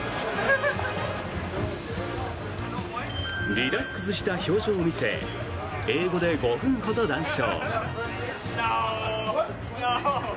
リラックスした表情を見せ英語で５分ほど談笑。